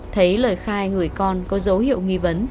thấy lời khai người con có dấu hiệu nghi vấn